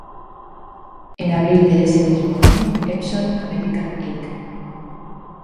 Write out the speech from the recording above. En abril de ese mismo año, Epson America Inc.